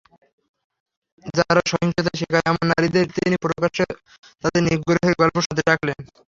যারা সহিংসতার শিকার, এমন নারীদের তিনি প্রকাশ্যে তাঁদের নিগ্রহের গল্প শোনাতে ডাকলেন।